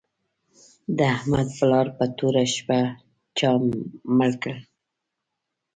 د احمد پلار په توره شپه چا مړ کړ